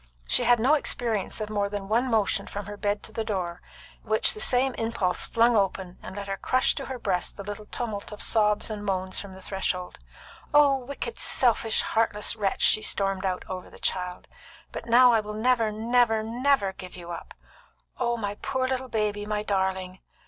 She had no experience of more than one motion from her bed to the door, which the same impulse flung open and let her crush to her breast the little tumult of sobs and moans from the threshold. "Oh, wicked, selfish, heartless wretch!" she stormed out over the child. "But now I will never, never, never give you up! Oh, my poor little baby! my darling!